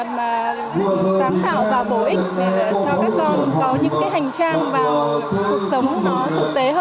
mà sáng tạo và bổ ích để cho các con có những cái hành trang vào cuộc sống nó thực tế hơn